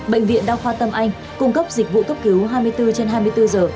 bệnh viện đa khoa tâm anh cung cấp dịch vụ cấp cứu hai mươi bốn trên hai mươi bốn giờ